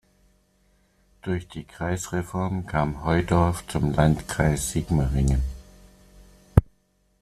Durch die Kreisreform kam Heudorf zum Landkreis Sigmaringen.